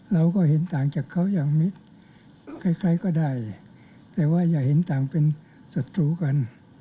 เราก็เห็นต่างจากเขาอย่างมิตรใครก็ได้แต่ว่าอย่าเห็นต่างเป็นศัตรูกัน